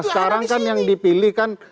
sekarang kan yang dipilih kan